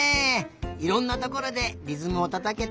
いろんなところでりずむをたたけたね。